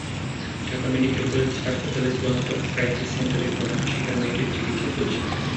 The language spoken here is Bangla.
ঢাকা মেডিকেল কলেজ হাসপাতালের ওয়ান স্টপ ক্রাইসিস সেন্টারে ঘটনার শিকার মেয়েটির চিকিৎসা চলছে।